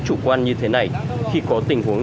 chủ quan như thế này khi có tình huống